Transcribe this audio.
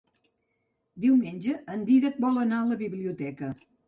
Diumenge en Dídac vol anar a la biblioteca.